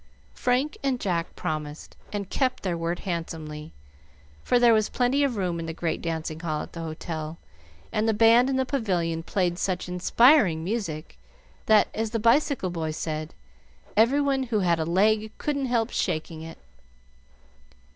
Frank and Jack promised, and kept their word handsomely; for there was plenty of room in the great dancing hall at the hotel, and the band in the pavilion played such inspiring music that, as the bicycle boy said, "Every one who had a leg couldn't help shaking it."